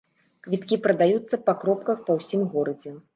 Квіткі прадаюцца па кропках па ўсім горадзе.